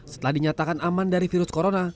setelah dinyatakan aman dari virus corona